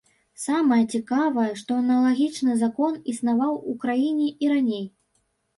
Самае цікавае, што аналагічны закон існаваў у краіне і раней.